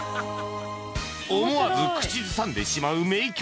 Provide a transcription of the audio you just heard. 思わず口ずさんでしまう名曲ばかり